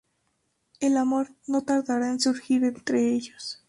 El amor no tardará en surgir entre ellos.